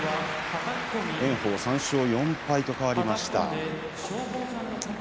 炎鵬３勝４敗と変わりました。